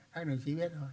các đồng chí biết rồi